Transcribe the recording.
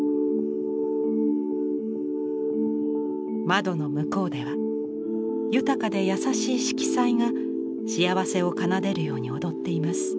窓の向こうでは豊かで優しい色彩が幸せを奏でるように踊っています。